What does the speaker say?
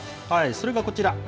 それがこちら。